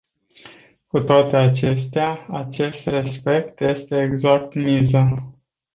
Cu toate acestea, acest respect este exact miza.